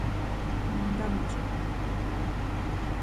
ntamzo?